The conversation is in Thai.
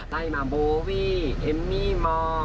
ได้มาโบวี่เอมมี่มอร์